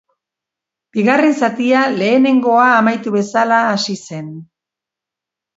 Bigarren zatia lehenengoa amaitu bezala hasi zen.